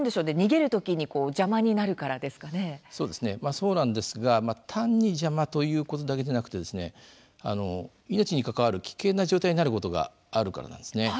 そうなんですが単に邪魔ということだけじゃなくて命に関わる危険な状態になることがあるからなんですね。